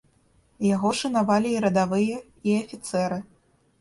Яго шанавалі і радавыя і афіцэры.